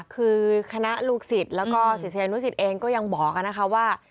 คือคณะลูกศิษย์แล้วก็ศิษยานุสิตเองก็ยังบอกนะคะว่า